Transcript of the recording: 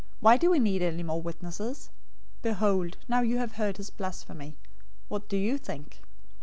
Why do we need any more witnesses? Behold, now you have heard his blasphemy. 026:066 What do you think?"